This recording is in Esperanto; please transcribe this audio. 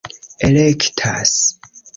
elektas